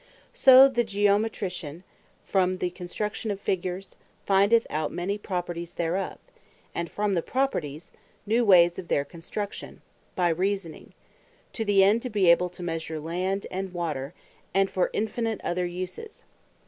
So the Geometrician, from the Construction of Figures, findeth out many Properties thereof; and from the Properties, new Ways of their Construction, by Reasoning; to the end to be able to measure Land and Water; and for infinite other uses.